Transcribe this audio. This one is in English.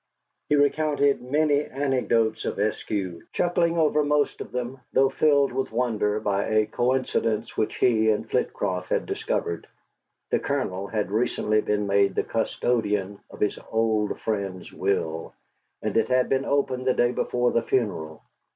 He recounted many anecdotes of Eskew, chuckling over most of them, though filled with wonder by a coincidence which he and Flitcroft had discovered; the Colonel had recently been made the custodian of his old friend's will, and it had been opened the day before the funeral.